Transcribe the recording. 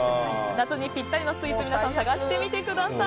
夏にぴったりのスイーツ皆さん探してみてください。